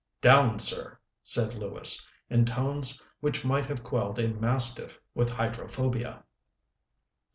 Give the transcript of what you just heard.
"Down, sir!" said Lewis, in tones which might have quelled a mastiff with hydrophobia.